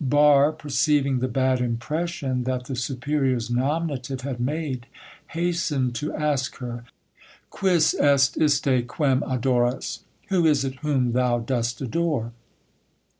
Barre perceiving the bad impression that the superior's nominative had made, hastened to ask her— "Quis est iste quem adoras?" (Who is it whom thou dost adore?)